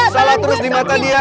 salah terus di mata dia